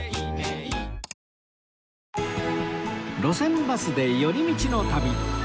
『路線バスで寄り道の旅』